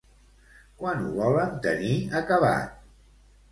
Quan ho volen tenir acabat?